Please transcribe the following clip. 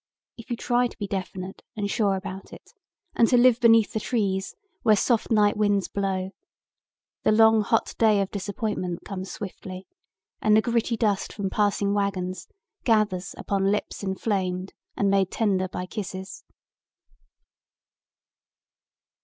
If you try to be definite and sure about it and to live beneath the trees, where soft night winds blow, the long hot day of disappointment comes swiftly and the gritty dust from passing wagons gathers upon lips inflamed and made tender by kisses."